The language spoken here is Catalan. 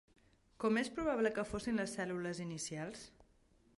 Com és probable que fossin les cèl·lules inicials?